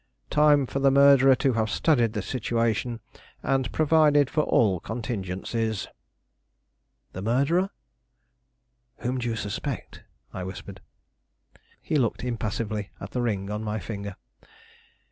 Time for the murderer to have studied the situation and provided for all contingencies." "The murderer? Whom do you suspect?" I whispered. He looked impassively at the ring on my finger.